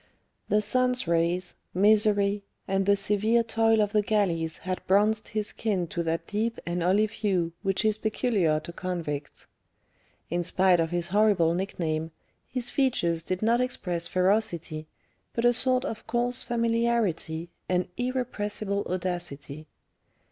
The sun's rays, misery, and the severe toil of the galleys had bronzed his skin to that deep and olive hue which is peculiar to convicts. In spite of his horrible nickname, his features did not express ferocity, but a sort of coarse familiarity and irrepressible audacity.